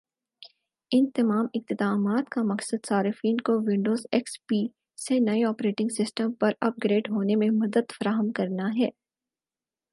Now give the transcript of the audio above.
ان تمام اقدامات کا مقصد صارفین کو ونڈوز ایکس پی سے نئے آپریٹنگ سسٹم پر اپ گریڈ ہونے میں مدد فراہم کرنا ہے